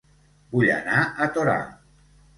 Vull anar a Torà